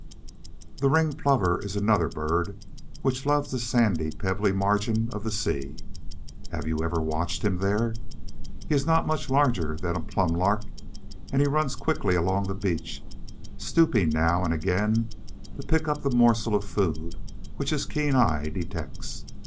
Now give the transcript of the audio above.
The Ringed Plover is another bird which loves the sandy, pebbly margin of the sea. Have you ever watched him there? He is not much larger than a plump lark, and he runs quickly along the beach, stooping now and again to pick up the morsels of food which his keen eye detects.